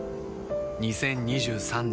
２０２３年